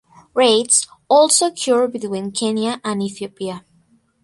Raids also occur between Kenya and Ethiopia.